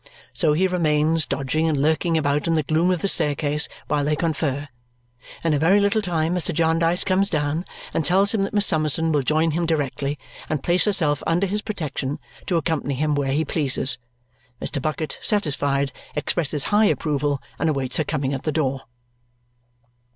So he remains, dodging and lurking about in the gloom of the staircase while they confer. In a very little time Mr. Jarndyce comes down and tells him that Miss Summerson will join him directly and place herself under his protection to accompany him where he pleases. Mr. Bucket, satisfied, expresses high approval and awaits her coming at the door.